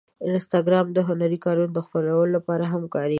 انسټاګرام د هنري کارونو د خپرولو لپاره هم کارېږي.